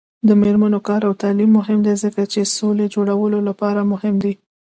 د میرمنو کار او تعلیم مهم دی ځکه چې سولې جوړولو لپاره مهم دی.